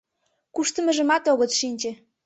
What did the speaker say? Куштымыжымат огыт шинче.